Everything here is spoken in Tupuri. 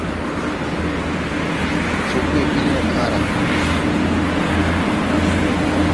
Fug we ɓil ne kããra.